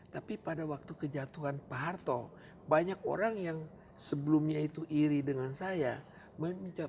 tapi pada waktu kejatuhan pak harto banyak orang yang sebelumnya itu iri dengan saya